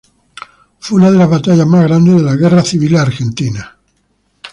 Fue una de las batallas más grandes de las guerras civiles argentinas.